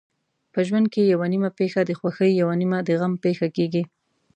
په ژوند کې یوه نیمه پېښه د خوښۍ یوه نیمه د غم پېښه کېږي.